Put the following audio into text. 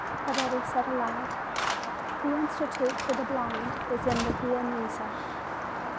Coretti said aloud, "The Institute for the Blind is in the Via Nizza."